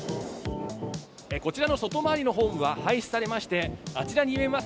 こちらの外回りのホームは廃止されましてあちらに見えます